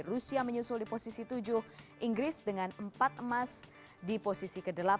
rusia menyusul di posisi tujuh inggris dengan empat emas di posisi ke delapan